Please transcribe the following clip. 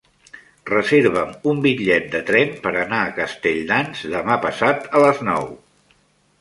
Reserva'm un bitllet de tren per anar a Castelldans demà passat a les nou.